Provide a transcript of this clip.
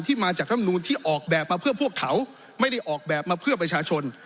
มาจากรำนูนที่ออกแบบมาเพื่อพวกเขาไม่ได้ออกแบบมาเพื่อประชาชน